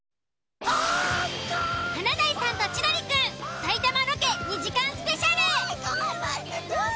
「華大さんと千鳥くん」埼玉ロケ２時間スペシャル。